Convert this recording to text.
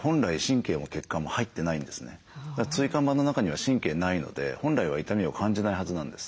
椎間板の中には神経ないので本来は痛みを感じないはずなんです。